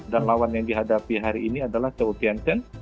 dan lawan yang dihadapi hari ini adalah seoul tnc